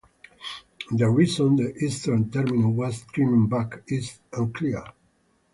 The reason the eastern terminus was trimmed back is unclear.